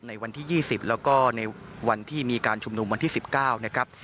ในวันที่๒๐แล้วก็ในวันที่มีการชุมนุมวันที่๑๙นะครับ